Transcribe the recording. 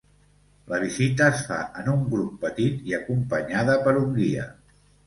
La visita es fa en un grup petit i acompanyada per un guia.